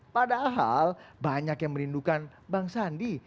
padahal banyak yang merindukan bang sandi